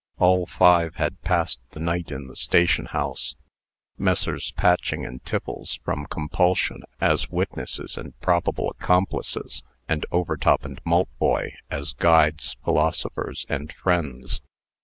All five had passed the night in the station house Messrs. Patching and Tiffles from compulsion, as witnesses, and possible accomplices, and Overtop and Maltboy as guides, philosophers, and friends.